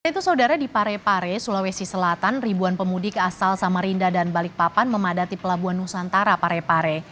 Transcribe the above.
selain itu saudara di parepare sulawesi selatan ribuan pemudik asal samarinda dan balikpapan memadati pelabuhan nusantara parepare